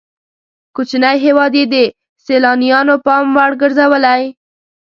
کوچنی هېواد یې د سیلانیانو پام وړ ګرځولی.